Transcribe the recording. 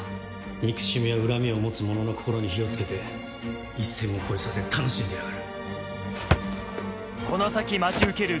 憎しみや恨みを持つ者の心に火を付けて一線を越えさせ楽しんでやがる。